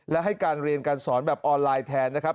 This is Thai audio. และให้การเรียนการสอนแบบออนไลน์แทนนะครับ